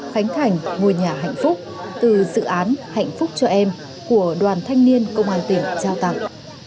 khánh thành ngôi nhà hạnh phúc từ dự án hạnh phúc cho em của đoàn thanh niên công an tỉnh trao tặng